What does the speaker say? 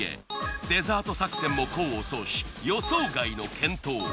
デザート作戦も功を奏し予想外の健闘。